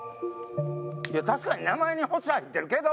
いや確かに名前に星入ってるけど！